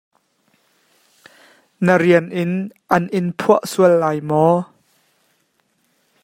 Na rian in an in phuak sual lai maw?